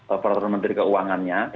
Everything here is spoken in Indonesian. oleh pratara menteri keuangannya